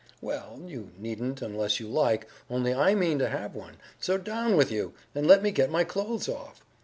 Well, you needn't unless you like, only I mean to have one; so down with you, and let me get my clothes off.'